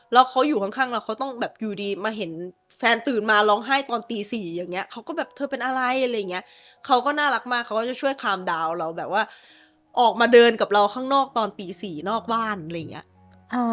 แล้วเขาอยู่ข้างเราเขาต้องแบบอยู่ดีมาเห็นแฟนตื่นมาร้องไห้ตอนตีสี่อย่างเงี้เขาก็แบบเธอเป็นอะไรอะไรอย่างเงี้ยเขาก็น่ารักมากเขาก็จะช่วยคามดาวน์เราแบบว่าออกมาเดินกับเราข้างนอกตอนตีสี่นอกบ้านอะไรอย่างเงี้ย